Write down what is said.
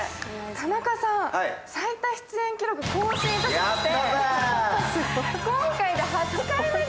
田中さん、最多出演記録更新しましたね。